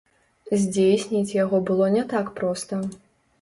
Здзейсніць яго было не так проста.